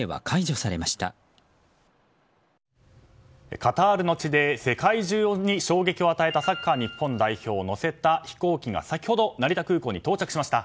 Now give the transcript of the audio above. カタールの地で世界中に衝撃を与えたサッカー日本代表を乗せた飛行機が先ほど成田空港に到着しました。